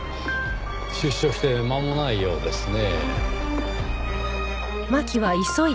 出所して間もないようですねぇ。